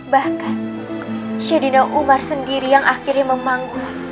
bahkan sheydina umar sendiri yang akhirnya memanggul